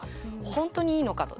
本当にいいのかと。